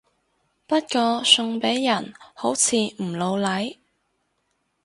不過送俾人好似唔老嚟